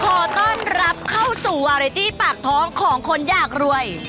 ขอต้อนรับเข้าสู่วาเรตี้ปากท้องของคนอยากรวย